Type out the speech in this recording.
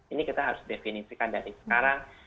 ini kita harus definisikan dari sekarang